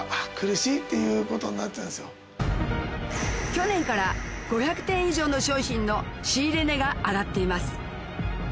去年から５００点以上の商品の仕入れ値が上がっています